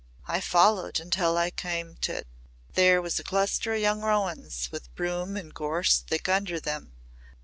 "I followed until I cam' to it. There was a cluster o' young rowans with broom and gorse thick under them.